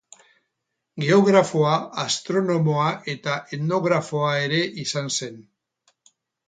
Geografoa, astronomoa eta etnografoa ere izan zen.